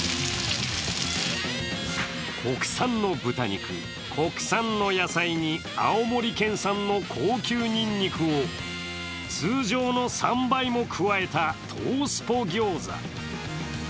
国産の豚肉、国産の野菜に青森県産の高級にんにくを通常の３倍も加えた東スポ餃子。